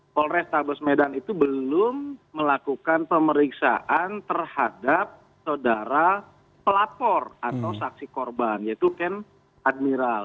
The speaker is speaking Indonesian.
polrestabes medan itu belum melakukan pemeriksaan terhadap saudara pelapor atau saksi korban yaitu ken admiral